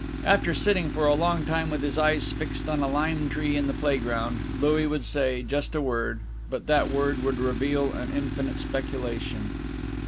After sitting for a long time with his eyes fixed on a lime tree in the playground, Louis would say just a word; but that word would reveal an infinite speculation.